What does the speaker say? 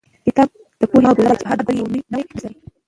کتاب د پوهې هغه ګلزار دی چې هر ګل یې یو نوی درس لري.